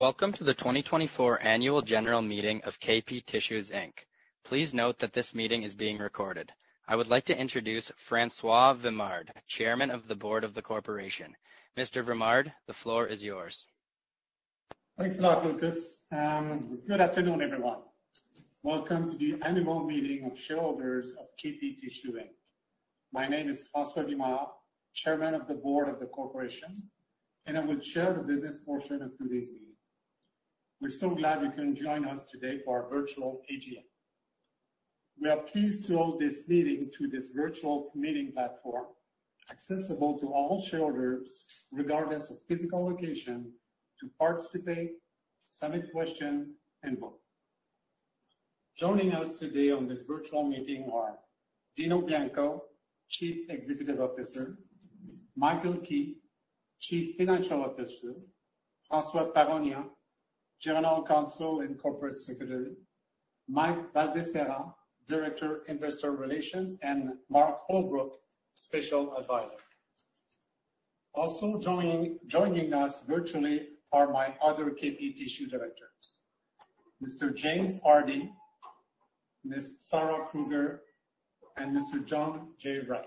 Welcome to the 2024 Annual General Meeting of KP Tissue Inc. Please note that this meeting is being recorded. I would like to introduce François Vimard, Chairman of the Board of the Corporation. Mr. Vimard, the floor is yours. Thanks a lot, Lucas. Good afternoon, everyone. Welcome to the Annual Meeting of Shareholders of KP Tissue Inc. My name is François Vimard, Chairman of the Board of the Corporation, and I will chair the business portion of today's meeting. We're so glad you can join us today for our virtual AGM. We are pleased to host this meeting through this virtual meeting platform accessible to all shareholders, regardless of physical location, to participate, submit questions, and vote. Joining us today on this virtual meeting are Dino Bianco, Chief Executive Officer; Michael Keays, Chief Financial Officer; François Paroyan, General Counsel and Corporate Secretary; Mike Baldesarra, Director, Investor Relations; and Mark Holbrook, Special Advisor. Also joining us virtually are my other KP Tissue directors: Mr. James Hardy, Ms. Sarah Kruger, and Mr. John J. Wright.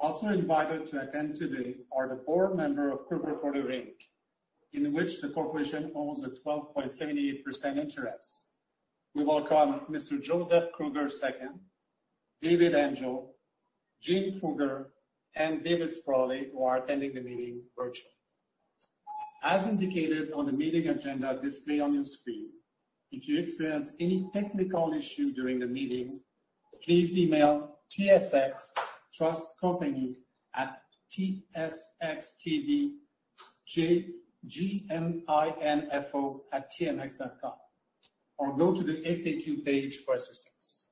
Also invited to attend today are the board members of Kruger Inc., in which the Corporation owns a 12.78% interest. We welcome Mr. Joseph Kruger II, David Angel, Jean Kruger, and David Spraley, who are attending the meeting virtually. As indicated on the meeting agenda displayed on your screen, if you experience any technical issues during the meeting, please email tsxtrustcompany@tsxtgminfo.tmx.com or go to the FAQ page for assistance.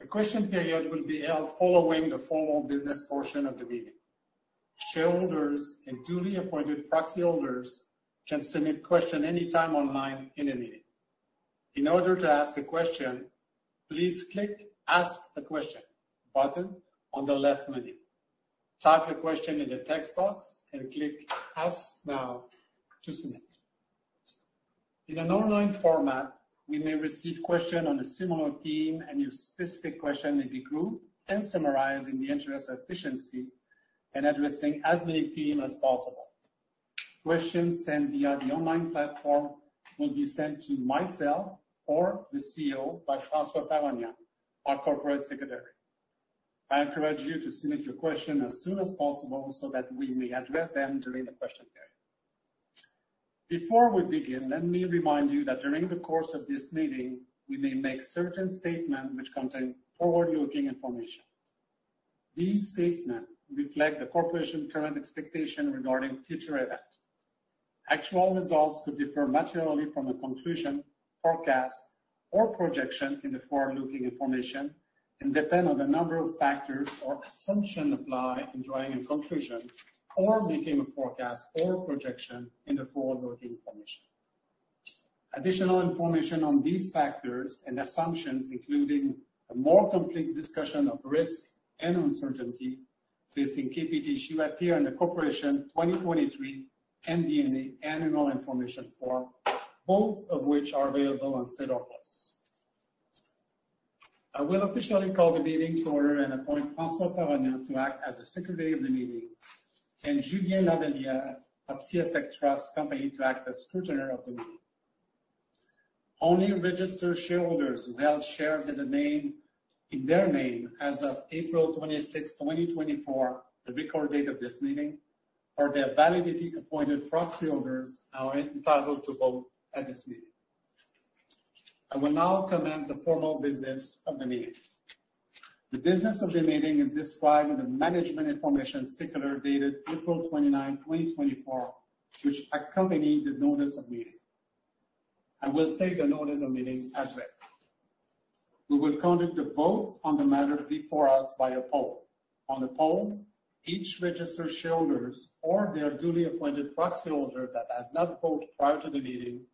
The question period will be held following the formal business portion of the meeting. Shareholders and duly appointed proxy holders can submit questions anytime online in the meeting. In order to ask a question, please click the "Ask a Question" button on the left menu. Type your question in the text box and click "Ask Now" to submit. In an online format, we may receive questions on a similar theme, and your specific question may be grouped and summarized in the interest of efficiency and addressing as many themes as possible. Questions sent via the online platform will be sent to myself or the CEO, by François Paroyan, our Corporate Secretary. I encourage you to submit your questions as soon as possible so that we may address them during the question period. Before we begin, let me remind you that during the course of this meeting, we may make certain statements which contain forward-looking information. These statements reflect the Corporation's current expectations regarding future events. Actual results could differ materially from a conclusion, forecast, or projection in the forward-looking information and depend on the number of factors or assumptions applied in drawing a conclusion or making a forecast or projection in the forward-looking information. Additional information on these factors and assumptions, including a more complete discussion of risk and uncertainty, is in KP Tissue Inc. and the Corporation 2023 MD&A Annual Information Form, both of which are available on SEDAR+. I will officially call the meeting to order and appoint François Paroyan to act as the Secretary of the Meeting and Julien Lavallière of TSX Trust Company to act as Scrutineer of the Meeting. Only registered shareholders who held shares in their name as of April 26, 2024, the record date of this meeting, or their validly-appointed proxy holders, are entitled to vote at this meeting. I will now commence the formal business of the meeting. The business of the meeting is described in the Management Information Circular dated April 29, 2024, which accompanied the Notice of Meeting. I will take the Notice of Meeting as read. We will conduct the vote on the matter before us by a poll. On the poll, each registered shareholder or their duly appointed proxy holder that has not voted prior to the meeting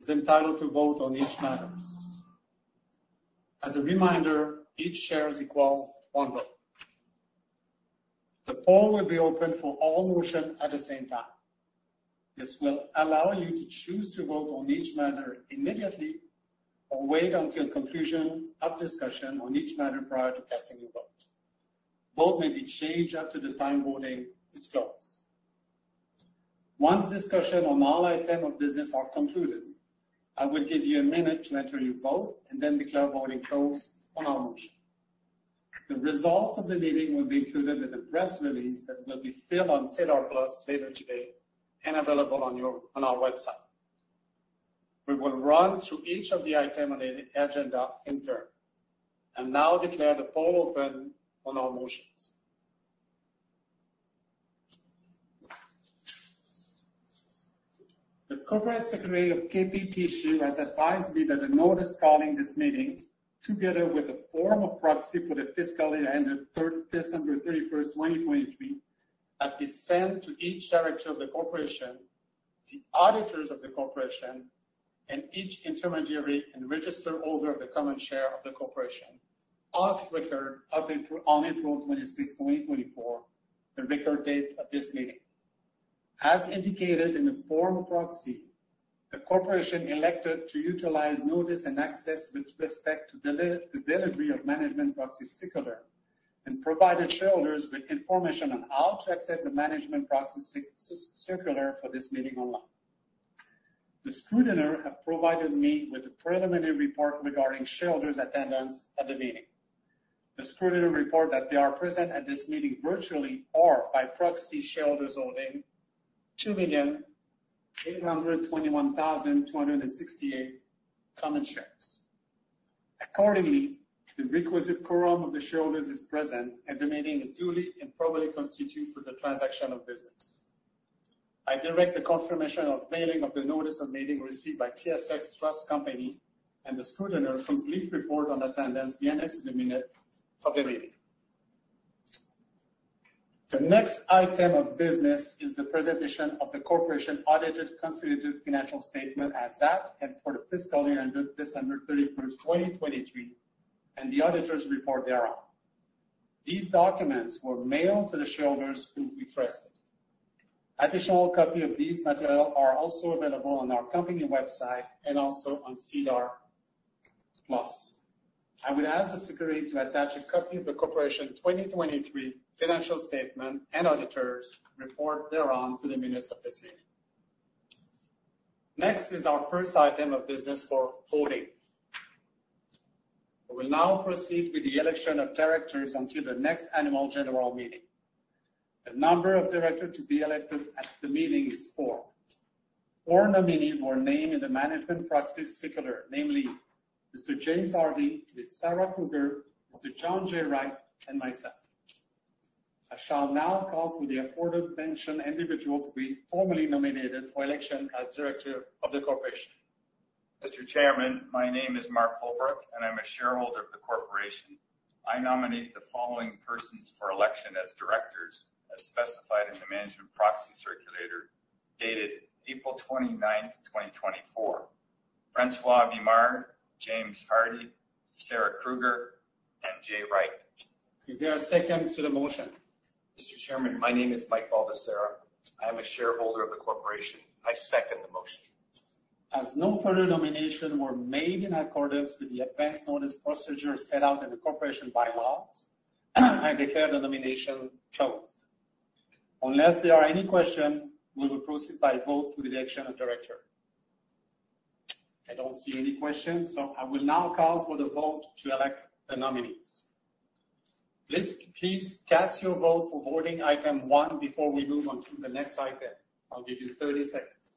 is entitled to vote on each matter. As a reminder, each share is equal to one vote. The poll will be open for all motions at the same time. This will allow you to choose to vote on each matter immediately or wait until the conclusion of discussion on each matter prior to casting your vote. Votes may be changed after the time voting is closed. Once discussion on all items of business is concluded, I will give you a minute to enter your vote and then declare voting closed on our motion. The results of the meeting will be included in the press release that will be filed on SEDAR+ later today and available on our website. We will run through each of the items on the agenda in turn. I now declare the poll open on our motions. The Corporate Secretary of KP Tissue has advised me that the notice calling this meeting, together with the form of proxy for the fiscal year ended December 31, 2023, that be sent to each director of the Corporation, the auditors of the Corporation, and each intermediary and registered holder of the common share of the Corporation of record on April 26, 2024, the record date of this meeting. As indicated in the form of proxy, the Corporation elected to utilize Notice and Access with respect to the delivery of Management Information Circular and provided shareholders with information on how to access the Management Information Circular for this meeting online. The Scrutineer have provided me with a preliminary report regarding shareholders' attendance at the meeting. The Scrutineer report that they are present at this meeting virtually or by proxy shareholders holding 2,821,268 common shares. Accordingly, the requisite quorum of the shareholders is present, and the meeting is duly and properly constituted for the transaction of business. I direct the confirmation of mailing of the Notice of Meeting received by TSX Trust Company and the Scrutineer complete report on attendance beyond the minute of the meeting. The next item of business is the presentation of the Corporation's audited consolidated financial statements as at and for the fiscal year ended December 31, 2023, and the auditor's report thereof. These documents were mailed to the shareholders who requested. Additional copies of these materials are also available on our company website and also on Seller Plus. I would ask the Secretary to attach a copy of the Corporation's 2023 financial statements and auditor's report thereof to the minutes of this meeting. Next is our first item of business for voting. We will now proceed with the election of directors until the next Annual General Meeting. The number of directors to be elected at the meeting is four. Four nominees were named in the Management Proxy Circular, namely Mr. James Hardy, Ms. Sarah Kruger, Mr. John J. Wright, and myself. I shall now call for the aforementioned individual to be formally nominated for election as Director of the Corporation. Mr. Chairman, my name is Mark Holbrook, and I'm a shareholder of the Corporation. I nominate the following persons for election as directors as specified in the Management Information Circular dated April 29, 2024: François Vimard, James Hardy, Sarah Kruger, and John J. Wright. Is there a second to the motion? Mr. Chairman, my name is Mike Baldesarra. I am a shareholder of the Corporation. I second the motion. As no further nominations were made in accordance with the advance notice procedure set out in the Corporation bylaws, I declare the nomination closed. Unless there are any questions, we will proceed by vote to the election of director. I don't see any questions, so I will now call for the vote to elect the nominees. Please cast your vote for voting item 1 before we move on to the next item. I'll give you 30 seconds.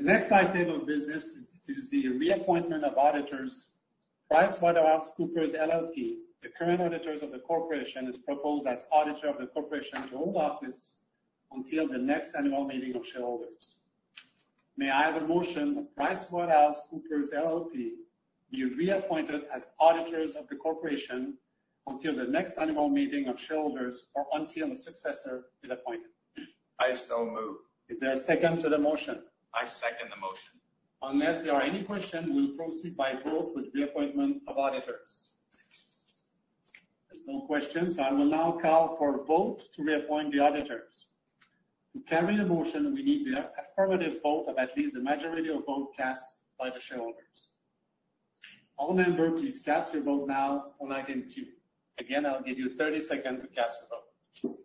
The next item of business is the reappointment of auditors PricewaterhouseCoopers LLP, the current auditors of the Corporation, as proposed as auditor of the Corporation to hold office until the next Annual Meeting of shareholders. May I have a motion that PricewaterhouseCoopers LLP be reappointed as auditors of the Corporation until the next Annual Meeting of shareholders or until a successor is appointed? I so move. Is there a second to the motion? I second the motion. Unless there are any questions, we'll proceed by vote with reappointment of auditors. There's no questions, so I will now call for a vote to reappoint the auditors. To carry the motion, we need the affirmative vote of at least the majority of votes cast by the shareholders. All members, please cast your vote now on item 2. Again, I'll give you 30 seconds to cast your vote.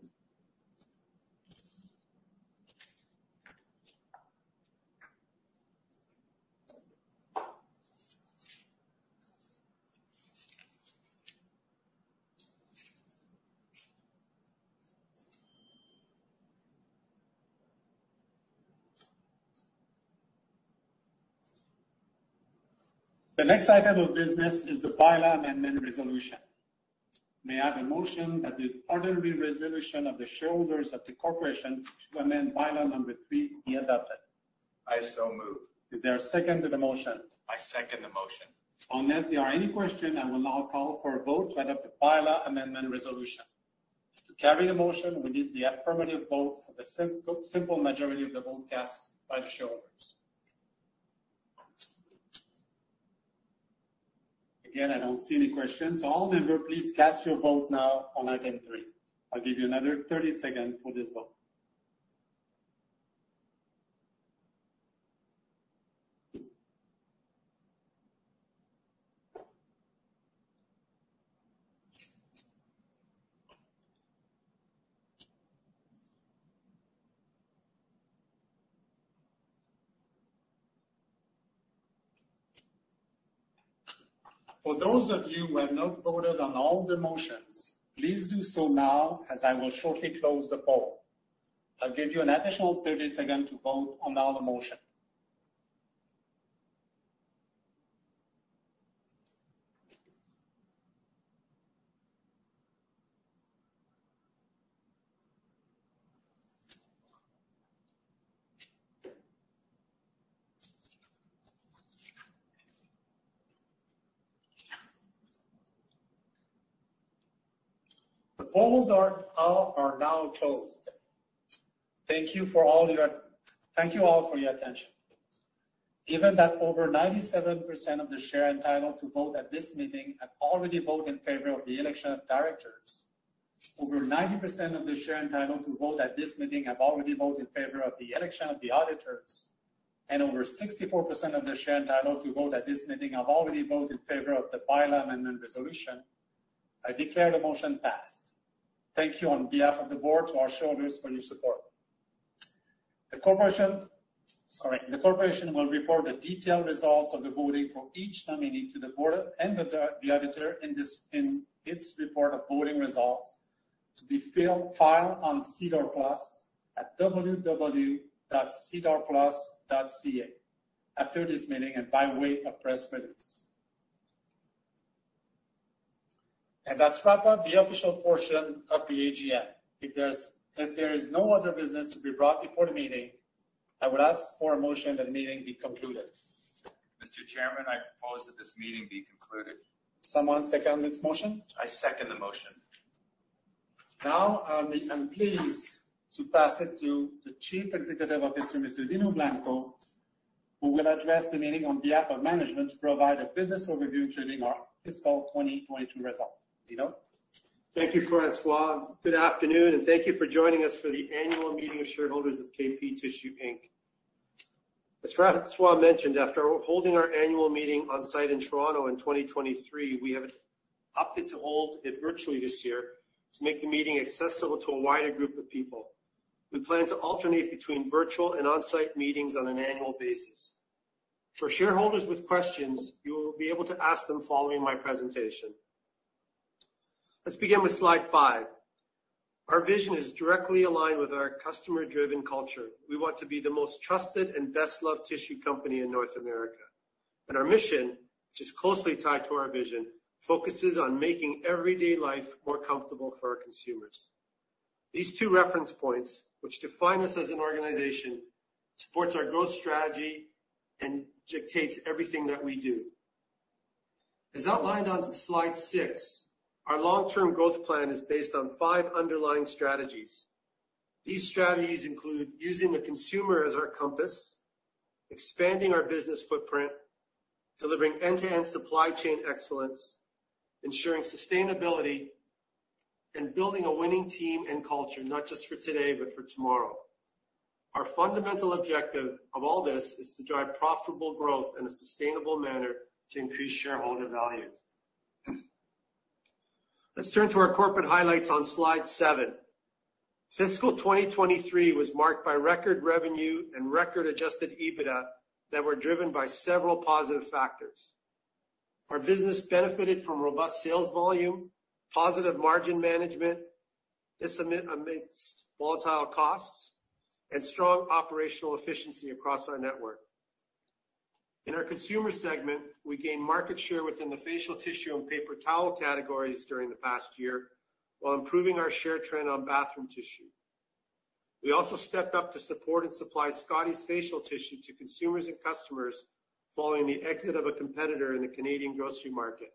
The next item of business is the bylaw amendment resolution. May I have a motion that the ordinary resolution of the shareholders of the Corporation to amend Bylaw Number 3 be adopted? I so move. Is there a second to the motion? I second the motion. Unless there are any questions, I will now call for a vote to adopt the bylaw amendment resolution. To carry the motion, we need the affirmative vote of the simple majority of the vote cast by the shareholders. Again, I don't see any questions. All members, please cast your vote now on item 3. I'll give you another 30 seconds for this vote. For those of you who have not voted on all the motions, please do so now as I will shortly close the poll. I'll give you an additional 30 seconds to vote on all the motions. The polls are now closed. Thank you all for your attention. Given that over 97% of the share entitled to vote at this meeting have already voted in favor of the election of directors, over 90% of the share entitled to vote at this meeting have already voted in favor of the election of the auditors, and over 64% of the share entitled to vote at this meeting have already voted in favor of the bylaw amendment resolution, I declare the motion passed. Thank you on behalf of the board to our shareholders for your support. The Corporation will report the detailed results of the voting for each nominee to the board and the auditor in its report of voting results to be filed on Seller Plus at www.sedarplus.ca after this meeting and by way of press release. That's wrapped up the official portion of the AGM. If there is no other business to be brought before the meeting, I would ask for a motion that the meeting be concluded. Mr. Chairman, I propose that this meeting be concluded. Someone second this motion? I second the motion. Now, I'm pleased to pass it to the Chief Executive Officer, Mr. Dino Bianco, who will address the meeting on behalf of management to provide a business overview including our fiscal 2022 result. Dino. Thank you, François. Good afternoon, and thank you for joining us for the Annual Meeting of Shareholders of KP Tissue Inc. As François mentioned, after holding our Annual Meeting on-site in Toronto in 2023, we have opted to hold it virtually this year to make the meeting accessible to a wider group of people. We plan to alternate between virtual and on-site meetings on an annual basis. For shareholders with questions, you will be able to ask them following my presentation. Let's begin with slide 5. Our vision is directly aligned with our customer-driven culture. We want to be the most trusted and best-loved tissue company in North America. And our mission, which is closely tied to our vision, focuses on making everyday life more comfortable for our consumers. These two reference points, which define us as an organization, support our growth strategy and dictate everything that we do. As outlined on slide 6, our long-term growth plan is based on five underlying strategies. These strategies include using the consumer as our compass, expanding our business footprint, delivering end-to-end supply chain excellence, ensuring sustainability, and building a winning team and culture, not just for today, but for tomorrow. Our fundamental objective of all this is to drive profitable growth in a sustainable manner to increase shareholder value. Let's turn to our corporate highlights on slide 7. Fiscal 2023 was marked by record revenue and record Adjusted EBITDA that were driven by several positive factors. Our business benefited from robust sales volume, positive margin management, this amidst volatile costs, and strong operational efficiency across our network. In our consumer segment, we gained market share within the facial tissue and paper towel categories during the past year while improving our share trend on bathroom tissue. We also stepped up to support and supply Scotties facial tissue to consumers and customers following the exit of a competitor in the Canadian grocery market.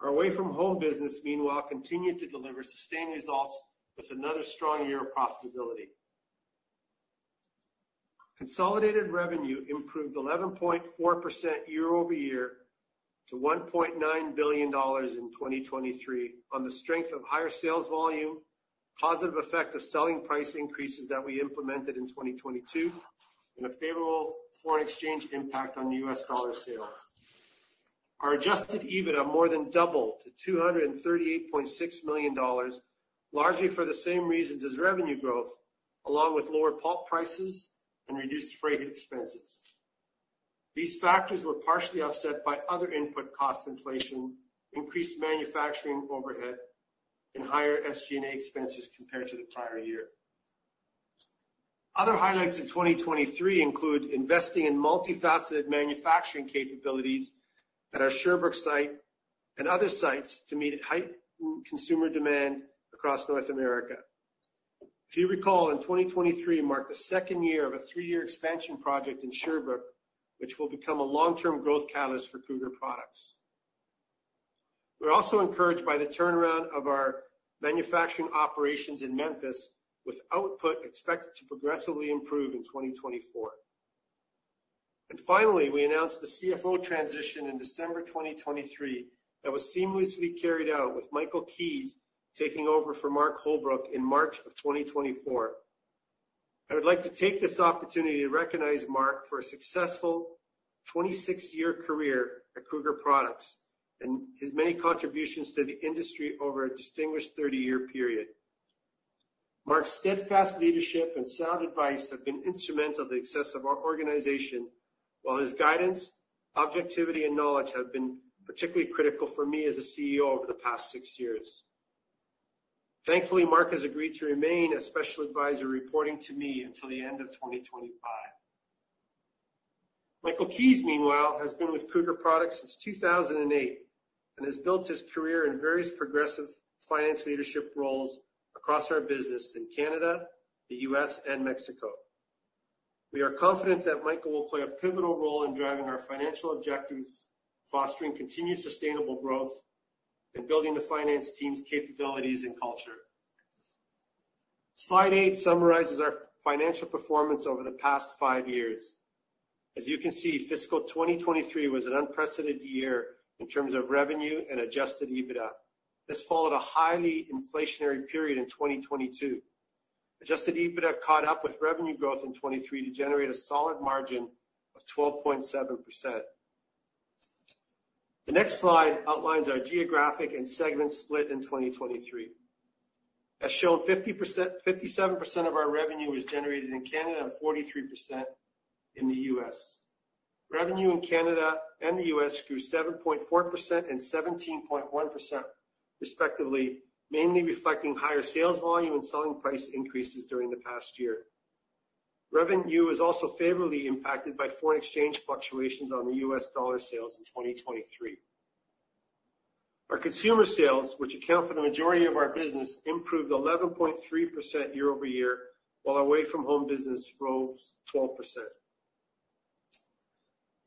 Our away-from-home business, meanwhile, continued to deliver sustained results with another strong year of profitability. Consolidated revenue improved 11.4% year-over-year to 1.9 billion dollars in 2023 on the strength of higher sales volume, positive effect of selling price increases that we implemented in 2022, and a favorable foreign exchange impact on US dollar sales. Our Adjusted EBITDA more than doubled to 238.6 million dollars, largely for the same reasons as revenue growth, along with lower pulp prices and reduced freight expenses. These factors were partially offset by other input cost inflation, increased manufacturing overhead, and higher SG&A expenses compared to the prior year. Other highlights in 2023 include investing in multifaceted manufacturing capabilities at our Sherbrooke site and other sites to meet heightened consumer demand across North America. If you recall, in 2023 marked the second year of a three-year expansion project in Sherbrooke, which will become a long-term growth catalyst for Kruger Products. We're also encouraged by the turnaround of our manufacturing operations in Memphis, with output expected to progressively improve in 2024. Finally, we announced the CFO transition in December 2023 that was seamlessly carried out, with Michael Keays taking over from Mark Holbrook in March of 2024. I would like to take this opportunity to recognize Mark for a successful 26-year career at Kruger Products and his many contributions to the industry over a distinguished 30-year period. Mark's steadfast leadership and sound advice have been instrumental to the success of our organization, while his guidance, objectivity, and knowledge have been particularly critical for me as a CEO over the past 6 years. Thankfully, Mark has agreed to remain a special advisor reporting to me until the end of 2025. Michael Keays, meanwhile, has been with Kruger Products since 2008 and has built his career in various progressive finance leadership roles across our business in Canada, the U.S., and Mexico. We are confident that Michael will play a pivotal role in driving our financial objectives, fostering continued sustainable growth, and building the finance team's capabilities and culture. Slide 8 summarizes our financial performance over the past 5 years. As you can see, fiscal 2023 was an unprecedented year in terms of revenue and Adjusted EBITDA. This followed a highly inflationary period in 2022. Adjusted EBITDA caught up with revenue growth in 2023 to generate a solid margin of 12.7%. The next slide outlines our geographic and segment split in 2023. As shown, 57% of our revenue was generated in Canada and 43% in the U.S. Revenue in Canada and the U.S. grew 7.4% and 17.1%, respectively, mainly reflecting higher sales volume and selling price increases during the past year. Revenue was also favorably impacted by foreign exchange fluctuations on the U.S. dollar sales in 2023. Our consumer sales, which account for the majority of our business, improved 11.3% year-over-year, while our away-from-home business rose 12%.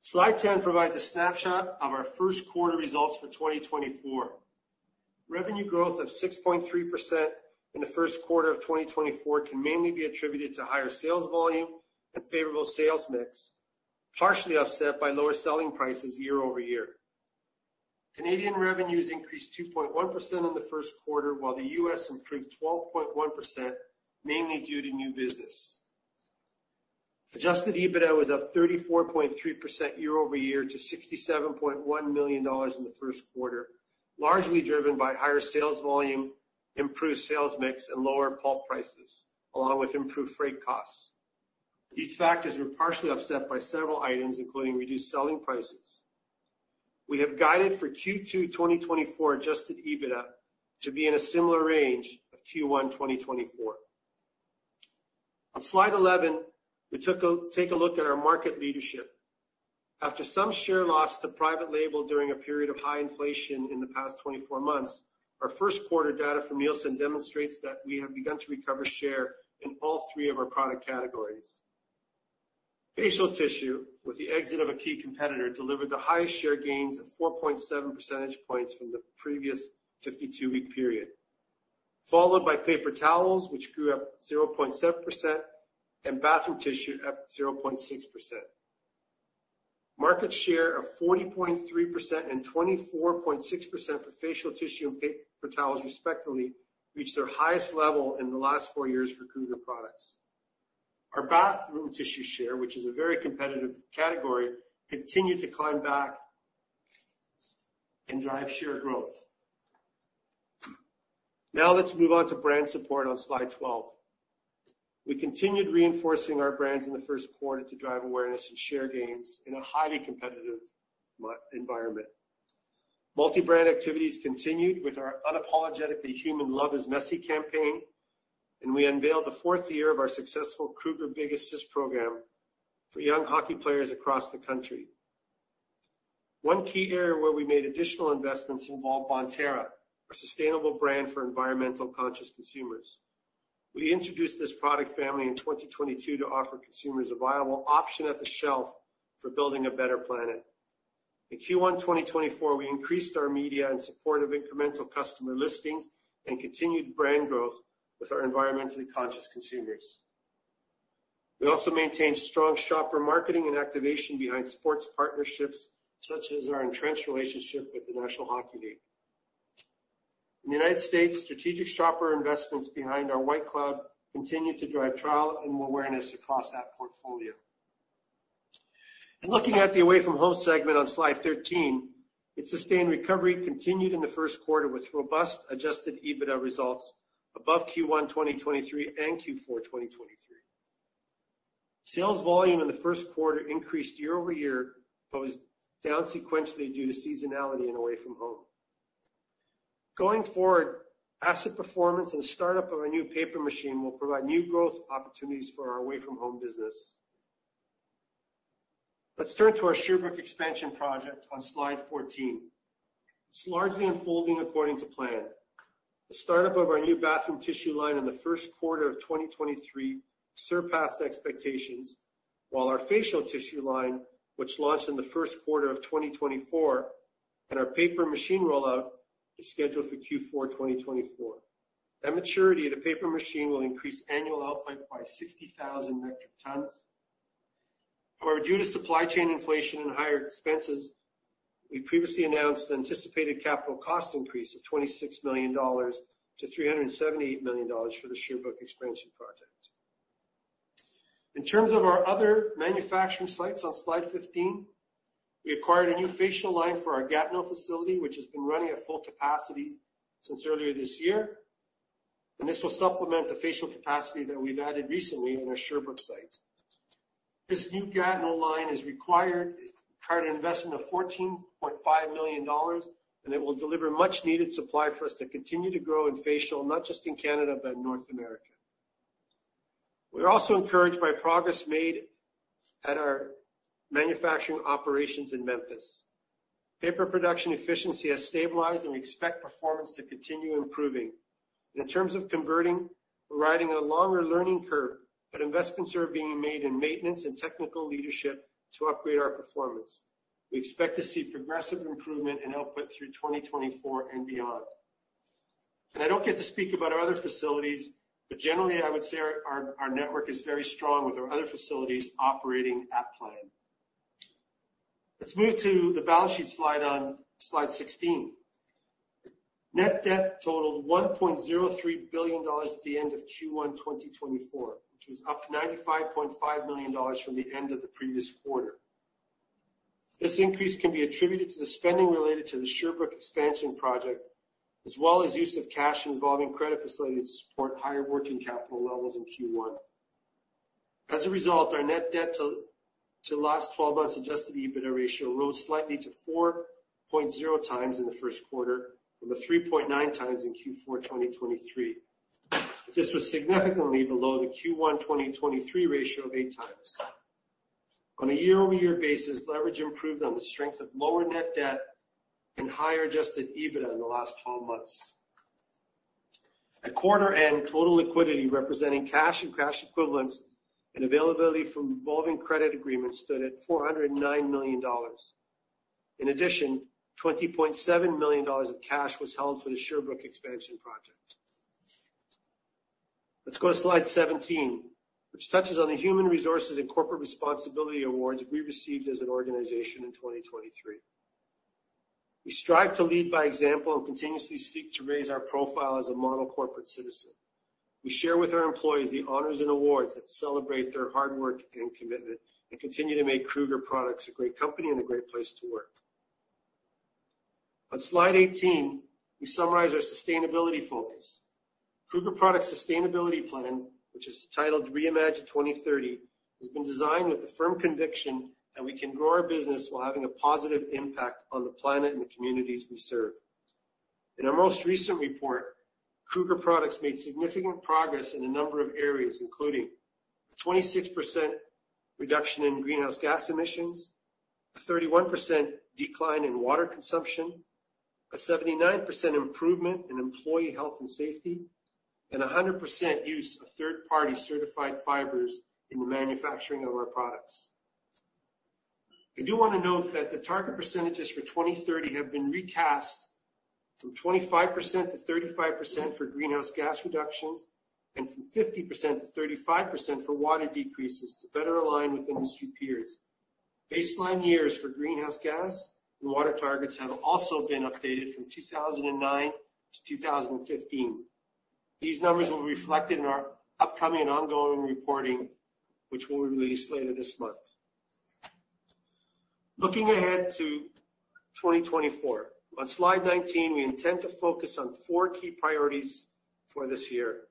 Slide 10 provides a snapshot of our first quarter results for 2024. Revenue growth of 6.3% in the first quarter of 2024 can mainly be attributed to higher sales volume and favorable sales mix, partially offset by lower selling prices year-over-year. Canadian revenues increased 2.1% in the first quarter, while the U.S. improved 12.1%, mainly due to new business. Adjusted EBITDA was up 34.3% year-over-year to $67.1 million in the first quarter, largely driven by higher sales volume, improved sales mix, and lower pulp prices, along with improved freight costs. These factors were partially offset by several items, including reduced selling prices. We have guided for Q2 2024 adjusted EBITDA to be in a similar range of Q1 2024. On slide 11, we take a look at our market leadership. After some share loss to private label during a period of high inflation in the past 24 months, our first quarter data from Nielsen demonstrates that we have begun to recover share in all three of our product categories. Facial tissue, with the exit of a key competitor, delivered the highest share gains of 4.7 percentage points from the previous 52-week period, followed by paper towels, which grew up 0.7%, and bathroom tissue up 0.6%. Market share of 40.3% and 24.6% for facial tissue and paper towels, respectively, reached their highest level in the last four years for Kruger Products. Our bathroom tissue share, which is a very competitive category, continued to climb back and drive share growth. Now, let's move on to brand support on slide 12. We continued reinforcing our brands in the first quarter to drive awareness and share gains in a highly competitive environment. Multi-brand activities continued with our Unapologetically Human Love Is Messy campaign, and we unveiled the fourth year of our successful Kruger Big Assist program for young hockey players across the country. One key area where we made additional investments involved Bonterra, our sustainable brand for environmentally conscious consumers. We introduced this product family in 2022 to offer consumers a viable option at the shelf for building a better planet. In Q1 2024, we increased our media in support of incremental customer listings and continued brand growth with our environmentally conscious consumers. We also maintained strong shopper marketing and activation behind sports partnerships, such as our entrenched relationship with the National Hockey League. In the United States, strategic shopper investments behind our White Cloud continue to drive trial and awareness across that portfolio. Looking at the away-from-home segment on slide 13, its sustained recovery continued in the first quarter with robust Adjusted EBITDA results above Q1 2023 and Q4 2023. Sales volume in the first quarter increased year-over-year, but was down sequentially due to seasonality and away-from-home. Going forward, asset performance and the startup of our new paper machine will provide new growth opportunities for our away-from-home business. Let's turn to our Sherbrooke expansion project on slide 14. It's largely unfolding according to plan. The startup of our new bathroom tissue line in the first quarter of 2023 surpassed expectations, while our facial tissue line, which launched in the first quarter of 2024, and our paper machine rollout is scheduled for Q4 2024. At maturity, the paper machine will increase annual output by 60,000 metric tons. However, due to supply chain inflation and higher expenses, we previously announced an anticipated capital cost increase of $26 million to $378 million for the Sherbrooke expansion project. In terms of our other manufacturing sites on slide 15, we acquired a new facial line for our Gatineau facility, which has been running at full capacity since earlier this year. This will supplement the facial capacity that we've added recently on our Sherbrooke site. This new Gatineau line required an investment of $14.5 million, and it will deliver much-needed supply for us to continue to grow in facial, not just in Canada, but in North America. We're also encouraged by progress made at our manufacturing operations in Memphis. Paper production efficiency has stabilized, and we expect performance to continue improving. In terms of converting, we're riding a longer learning curve, but investments are being made in maintenance and technical leadership to upgrade our performance. We expect to see progressive improvement in output through 2024 and beyond. I don't get to speak about our other facilities, but generally, I would say our network is very strong with our other facilities operating at plan. Let's move to the balance sheet slide on slide 16. Net debt totaled 1.03 billion dollars at the end of Q1 2024, which was up 95.5 million dollars from the end of the previous quarter. This increase can be attributed to the spending related to the Sherbrooke expansion project, as well as use of cash involving credit facilities to support higher working capital levels in Q1. As a result, our net debt to last 12 months Adjusted EBITDA ratio rose slightly to 4.0x in the first quarter from the 3.9x in Q4 2023. This was significantly below the Q1 2023 ratio of 8x. On a year-over-year basis, leverage improved on the strength of lower net debt and higher Adjusted EBITDA in the last 12 months. At quarter end, total liquidity representing cash and cash equivalents and availability from revolving credit agreements stood at 409 million dollars. In addition, 20.7 million dollars of cash was held for the Sherbrooke expansion project. Let's go to Slide 17, which touches on the human resources and corporate responsibility awards we received as an organization in 2023. We strive to lead by example and continuously seek to raise our profile as a model corporate citizen. We share with our employees the honors and awards that celebrate their hard work and commitment and continue to make Kruger Products a great company and a great place to work. On Slide 18, we summarize our sustainability focus. Kruger Products' sustainability plan, which is titled Reimagine 2030, has been designed with the firm conviction that we can grow our business while having a positive impact on the planet and the communities we serve. In our most recent report, Kruger Products made significant progress in a number of areas, including a 26% reduction in greenhouse gas emissions, a 31% decline in water consumption, a 79% improvement in employee health and safety, and 100% use of third-party certified fibers in the manufacturing of our products. I do want to note that the target percentages for 2030 have been recast from 25% to 35% for greenhouse gas reductions and from 50% to 35% for water decreases to better align with industry peers. Baseline years for greenhouse gas and water targets have also been updated from 2009 to 2015. These numbers will be reflected in our upcoming and ongoing reporting, which will be released later this month. Looking ahead to 2024, on slide 19, we intend to focus on four key priorities for this year.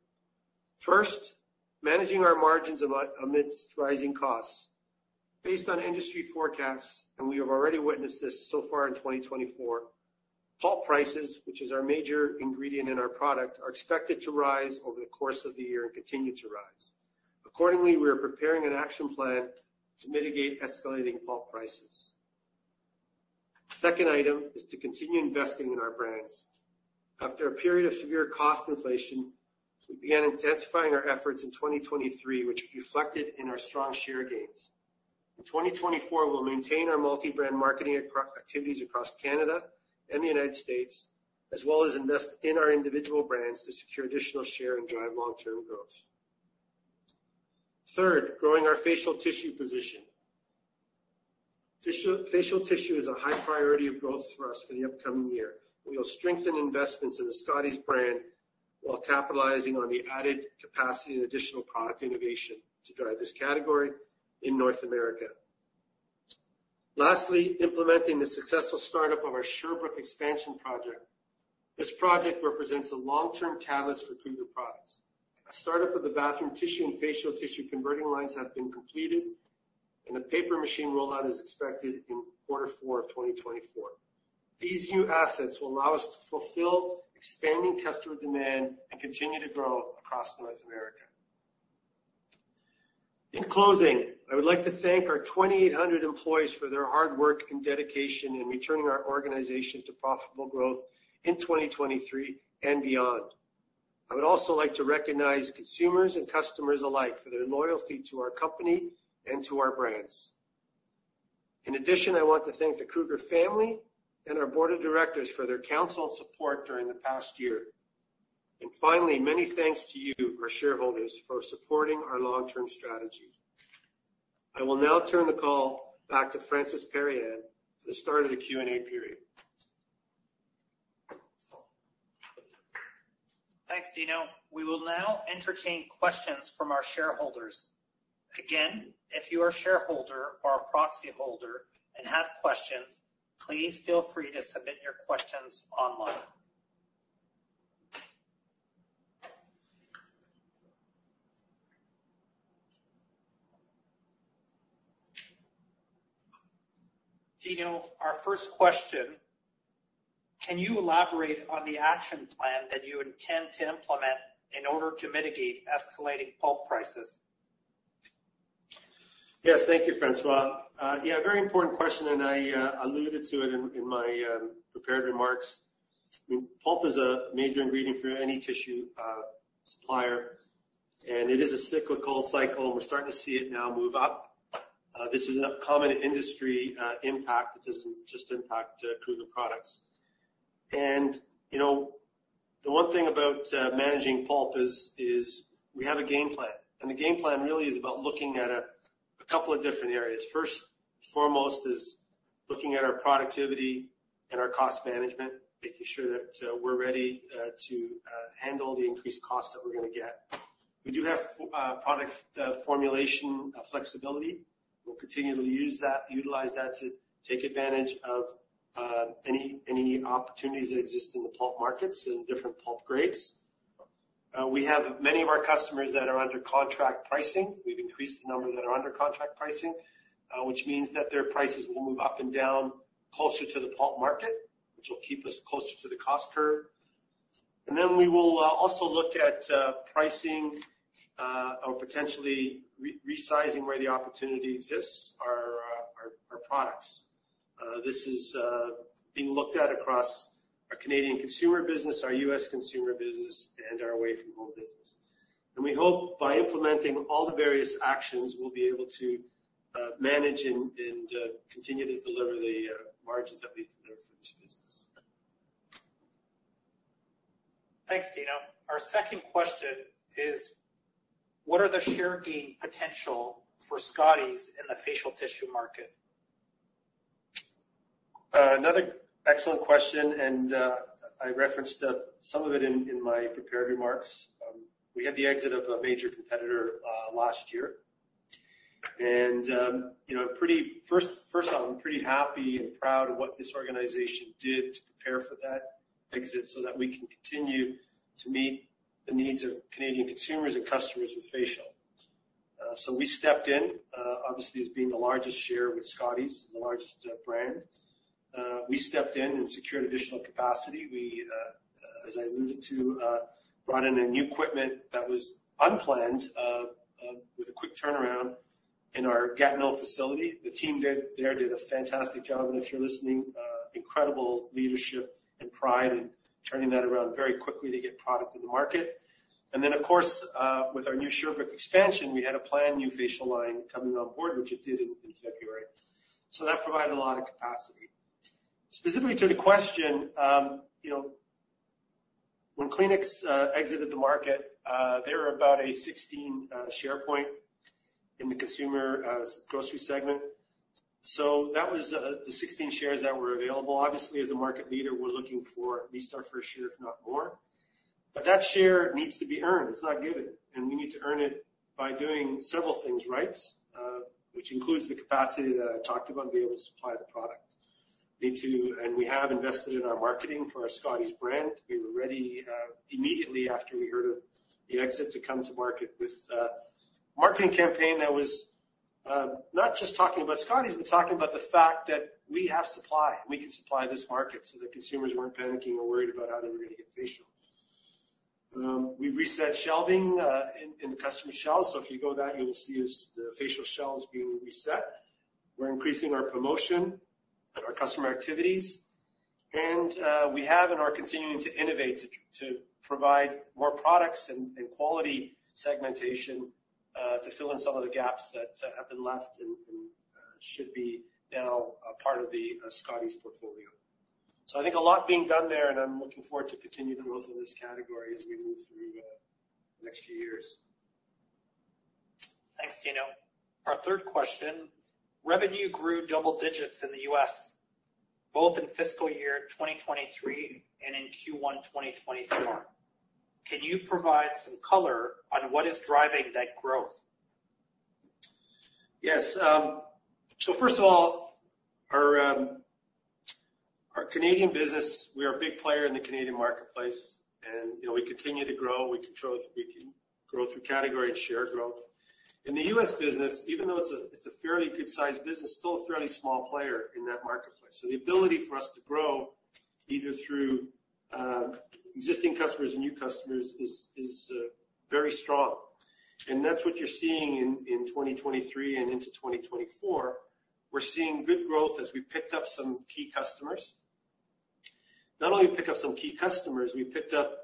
First, managing our margins amidst rising costs. Based on industry forecasts, and we have already witnessed this so far in 2024, pulp prices, which is our major ingredient in our product, are expected to rise over the course of the year and continue to rise. Accordingly, we are preparing an action plan to mitigate escalating pulp prices. The second item is to continue investing in our brands. After a period of severe cost inflation, we began intensifying our efforts in 2023, which reflected in our strong share gains. In 2024, we'll maintain our multi-brand marketing activities across Canada and the United States, as well as invest in our individual brands to secure additional share and drive long-term growth. Third, growing our facial tissue position. Facial tissue is a high priority of growth for us for the upcoming year. We will strengthen investments in the Scotties brand while capitalizing on the added capacity and additional product innovation to drive this category in North America. Lastly, implementing the successful startup of our Sherbrooke expansion project. This project represents a long-term catalyst for Kruger Products. A startup of the bathroom tissue and facial tissue converting lines has been completed, and the paper machine rollout is expected in quarter four of 2024. These new assets will allow us to fulfill expanding customer demand and continue to grow across North America. In closing, I would like to thank our 2,800 employees for their hard work and dedication in returning our organization to profitable growth in 2023 and beyond. I would also like to recognize consumers and customers alike for their loyalty to our company and to our brands. In addition, I want to thank the Kruger family and our board of directors for their counsel and support during the past year. And finally, many thanks to you, our shareholders, for supporting our long-term strategy. I will now turn the call back to François Paroyan for the start of the Q&A period. Thanks, Dino. We will now entertain questions from our shareholders. Again, if you are a shareholder or a proxy holder and have questions, please feel free to submit your questions online. Dino, our first question, can you elaborate on the action plan that you intend to implement in order to mitigate escalating pulp prices? Yes, thank you, François. Yeah, very important question, and I alluded to it in my prepared remarks. I mean, pulp is a major ingredient for any tissue supplier, and it is a cyclical cycle, and we're starting to see it now move up. This is a common industry impact. It doesn't just impact Kruger Products. The one thing about managing pulp is we have a game plan. The game plan really is about looking at a couple of different areas. First and foremost is looking at our productivity and our cost management, making sure that we're ready to handle the increased cost that we're going to get. We do have product formulation flexibility. We'll continue to utilize that to take advantage of any opportunities that exist in the pulp markets and different pulp grades. We have many of our customers that are under contract pricing. We've increased the number that are under contract pricing, which means that their prices will move up and down closer to the pulp market, which will keep us closer to the cost curve. And then we will also look at pricing or potentially resizing where the opportunity exists, our products. This is being looked at across our Canadian consumer business, our U.S. consumer business, and our away-from-home business. We hope by implementing all the various actions, we'll be able to manage and continue to deliver the margins that we deliver for this business. Thanks, Dino. Our second question is, what are the share gain potential for Scotties in the facial tissue market? Another excellent question, and I referenced some of it in my prepared remarks. We had the exit of a major competitor last year. First off, I'm pretty happy and proud of what this organization did to prepare for that exit so that we can continue to meet the needs of Canadian consumers and customers with facial. So we stepped in, obviously, as being the largest share with Scotties, the largest brand. We stepped in and secured additional capacity. As I alluded to, brought in a new equipment that was unplanned with a quick turnaround in our Gatineau facility. The team there did a fantastic job. And if you're listening, incredible leadership and pride in turning that around very quickly to get product in the market. And then, of course, with our new Sherbrooke expansion, we had a planned new facial line coming on board, which it did in February. So that provided a lot of capacity. Specifically to the question, when Kleenex exited the market, there were about 16 share points in the consumer grocery segment. So that was the 16 shares that were available. Obviously, as a market leader, we're looking for at least our first share, if not more. But that share needs to be earned. It's not given. And we need to earn it by doing several things right, which includes the capacity that I talked about and be able to supply the product. And we have invested in our marketing for our Scotties brand. We were ready immediately after we heard of the exit to come to market with a marketing campaign that was not just talking about Scotties, but talking about the fact that we have supply. We can supply this market so that consumers weren't panicking or worried about how they were going to get facial. We've reset shelving in the customer shelves. So if you go there, you will see the facial shelves being reset. We're increasing our promotion and our customer activities. And we have and are continuing to innovate to provide more products and quality segmentation to fill in some of the gaps that have been left and should be now a part of the Scotties portfolio. So I think a lot being done there, and I'm looking forward to continued growth in this category as we move through the next few years. Thanks, Dino. Our third question, revenue grew double digits in the U.S., both in fiscal year 2023 and in Q1 2024. Can you provide some color on what is driving that growth? Yes. So first of all, our Canadian business, we are a big player in the Canadian marketplace, and we continue to grow. We can grow through category and share growth. In the U.S. business, even though it's a fairly good-sized business, still a fairly small player in that marketplace. So the ability for us to grow either through existing customers and new customers is very strong. And that's what you're seeing in 2023 and into 2024. We're seeing good growth as we picked up some key customers. Not only picked up some key customers, we picked up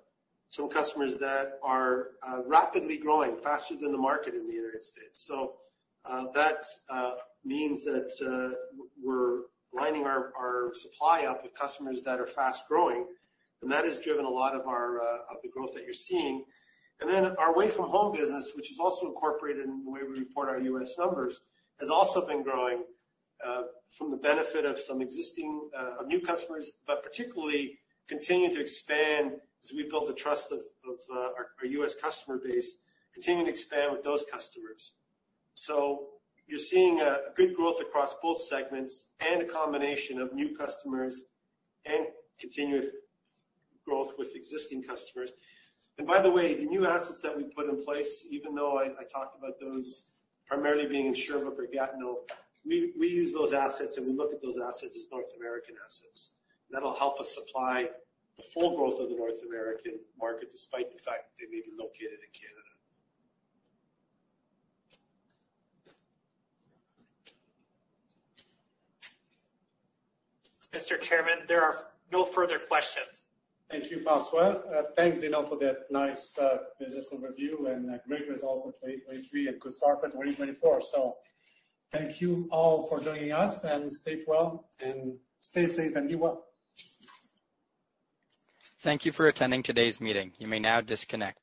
some customers that are rapidly growing, faster than the market in the United States. So that means that we're lining our supply up with customers that are fast growing, and that has driven a lot of the growth that you're seeing. And then our away-from-home business, which is also incorporated in the way we report our U.S. numbers, has also been growing from the benefit of some existing new customers, but particularly continue to expand as we build the trust of our U.S. customer base, continue to expand with those customers. So you're seeing good growth across both segments and a combination of new customers and continued growth with existing customers. And by the way, the new assets that we put in place, even though I talked about those primarily being in Sherbrooke or Gatineau, we use those assets and we look at those assets as North American assets. That'll help us supply the full growth of the North American market despite the fact that they may be located in Canada. Mr. Chairman, there are no further questions. Thank you, François. Thanks, Dino, for that nice business overview and great result for 2023 and good start for 2024. So thank you all for joining us and stay well and stay safe and be well. Thank you for attending today's meeting. You may now disconnect.